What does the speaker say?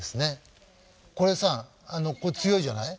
これさこれ強いじゃない。